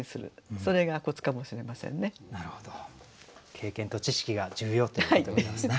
経験と知識が重要っていうことでございますね。